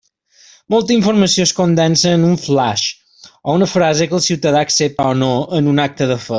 Molta informació es condensa en un flaix o una frase que el ciutadà accepta o no en un acte de fe.